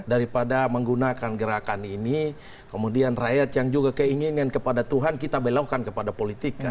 daripada menggunakan gerakan ini kemudian rakyat yang juga keinginan kepada tuhan kita belokkan kepada politika